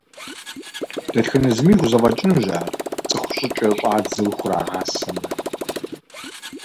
Дэтхэнэ зыми хузэфӏэкӏынущ ар, цӏыкӏу щӏыкӏэ щӏадзэу хурагъэсамэ.